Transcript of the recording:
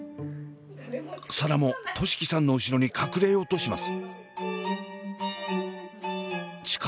紗蘭も寿輝さんの後ろに隠れようとします。